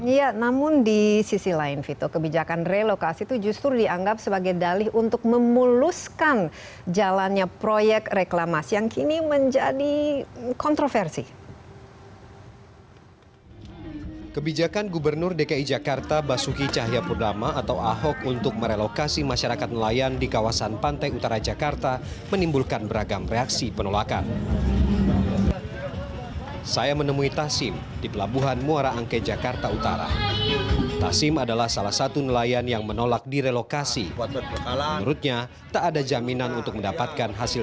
iya namun di sisi lain vito kebijakan relokasi itu justru dianggap sebagai dalih untuk memuluskan jalannya proyek reklamasi yang kini menjadi kontroversi